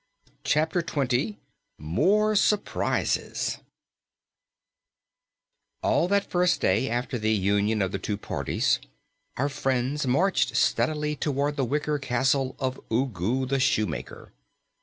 CHAPTER 20 MORE SURPRISES All that first day after the union of the two parties, our friends marched steadily toward the wicker castle of Ugu the Shoemaker.